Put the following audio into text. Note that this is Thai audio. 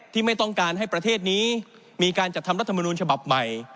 ไม่ต้องการให้ประเทศนี้มีการจัดทำรัฐมนูลฉบับใหม่